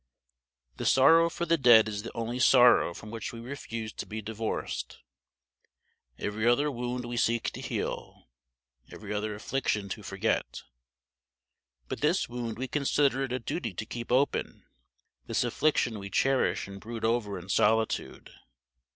The sorrow for the dead is the only sorrow from which we refuse to be divorced. Every other wound we seek to heal, every other affliction to forget; but this wound we consider it a duty to keep open, this affliction we cherish and brood over in solitude.